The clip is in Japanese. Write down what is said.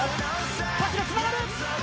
パスがつながる！